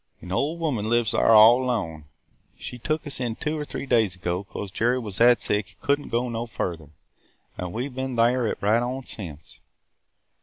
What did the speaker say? An old woman lives thyar all alone. She took us in two or three days ago 'cause Jerry was that sick he could n't go no further – an' we been thyar right on since.'